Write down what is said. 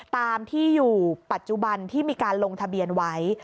ตามที่อยู่ปัจจุบันที่มีการลงทะเบียนไว้